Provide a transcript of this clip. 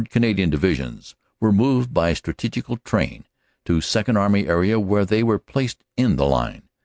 Canadian Divisions, were moved by strategical train to Second Army area where they were placed in the line.